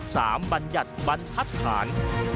บรรยัติบรรทัศน์